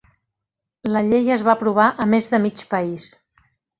La llei es va aprovar a més de mig país.